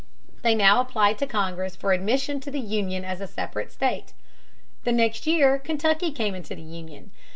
They now applied to Congress for admission to the Union as a separate state. The next year Kentucky came into the Union.